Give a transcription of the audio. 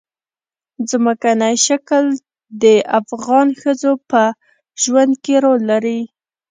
ځمکنی شکل د افغان ښځو په ژوند کې رول لري.